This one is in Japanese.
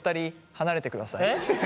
離れてください。